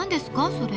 それ。